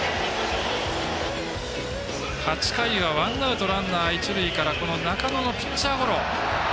８回はワンアウトランナー、一塁から中野のピッチャーゴロ。